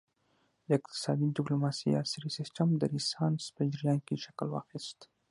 د اقتصادي ډیپلوماسي عصري سیسټم د رینسانس په جریان کې شکل واخیست